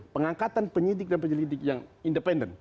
pengangkatan penyidik dan penyelidik yang independen